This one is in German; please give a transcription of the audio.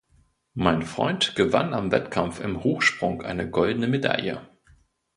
Mein Freund gewann am Wettkampf im Hochsprung eine goldene Medallie.